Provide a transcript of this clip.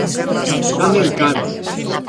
Xa me encargo.